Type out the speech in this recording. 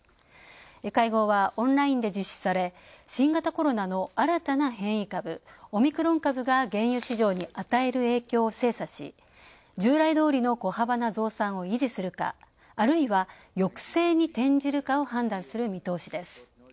会合はオンラインで実施され、新型コロナの新たな変異株、オミクロン株が原油市場に与える影響を精査し従来どおりの小幅な増産を維持するかあるいは、抑制に転じるかを判断する見通しです。